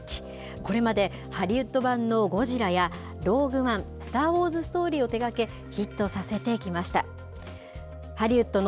これまでハリウッド版のゴジラや、ローグ・ワン／スター・ウォーズ・ストーリーを手がけ、ヒットさせてきました。